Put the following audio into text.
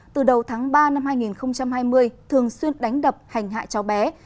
từ đầu tháng ba năm hai nghìn hai mươi thường xuyên đánh đập hành hại cháu bé